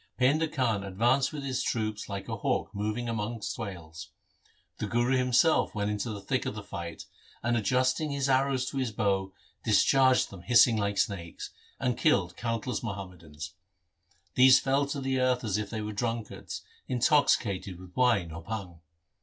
Painda Khan advanced with his troops like a hawk moving amongst quails. The Guru himself, too, went into the thick of the fight, and adjusting his arrows to his bow discharged them hissing like snakes, and killed countless Muhammadans. These fell to the earth as if they were drunkards intoxicated with wine or bhang.